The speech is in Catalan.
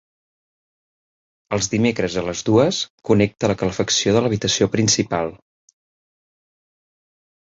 Els dimecres a les dues connecta la calefacció de l'habitació principal.